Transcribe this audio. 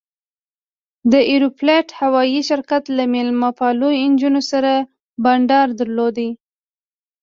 د ایروفلوټ هوایي شرکت له میلمه پالو نجونو سره بنډار درلود.